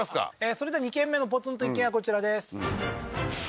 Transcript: それでは２軒目のポツンと一軒家こちらです